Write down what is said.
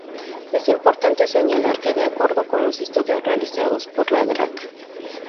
Es importante señalar que de acuerdo con los estudios realizados por la Dra.